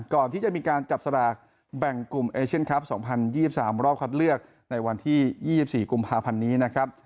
ก่อนที่จะมีการจับสลากแบ่งกลุ่มเอเชียนคลับ๒๐๒๓รอบคัดเลือกในวันที่๒๔กุมภาพันธ์นี้นะครับ